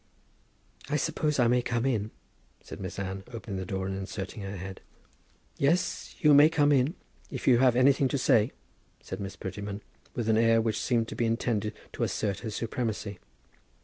"I suppose I may come in?" said Miss Anne, opening the door and inserting her head. "Yes, you may come in, if you have anything to say," said Miss Prettyman, with an air which seemed to be intended to assert her supremacy.